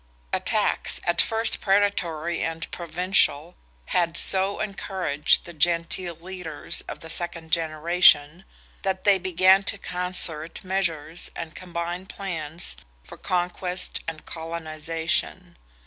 Attacks at first predatory and provincial had so encouraged the Gentile leaders of the second generation that they began to concert measures and combine plans for conquest and colonization.